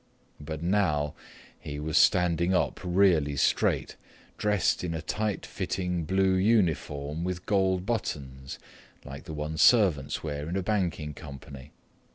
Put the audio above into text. But now he was standing up really straight, dressed in a tight fitting blue uniform with gold buttons, like the ones servants wear in a banking company.